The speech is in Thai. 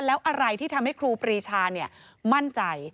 แล้วอะไรที่ทำให้ครูปรีชามั่นใจ